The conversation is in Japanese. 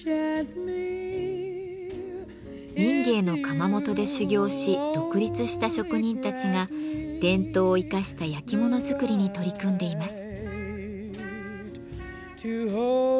民藝の窯元で修業し独立した職人たちが伝統を生かしたやきもの作りに取り組んでいます。